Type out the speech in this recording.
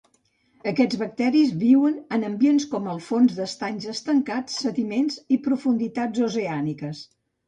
Aquests bacteris viuen en ambients com el fons d'estanys estancats, sediments i profunditats oceàniques.